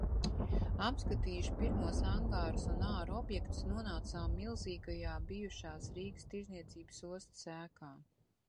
Apskatījuši pirmos angārus un āra objektus, nonācām milzīgajā bijušās Rīgas tirdzniecības ostas ēkā.